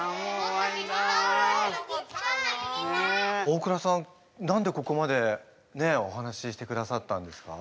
大倉さん何でここまでねえお話ししてくださったんですか？